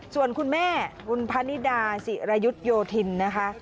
ส่วนคุณแม่บุญพนิดาศิรยุทธโยธินนะคะ